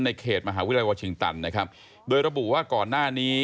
เขตมหาวิทยาลัยวอร์ชิงตันนะครับโดยระบุว่าก่อนหน้านี้